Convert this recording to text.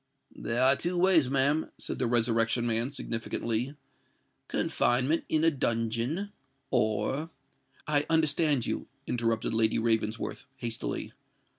"There are two ways, ma'am," said the Resurrection Man, significantly: "confinement in a dungeon, or——" "I understand you," interrupted Lady Ravensworth, hastily.